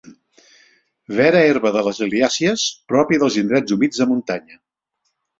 Vera herba de les liliàcies pròpia dels indrets humits de muntanya.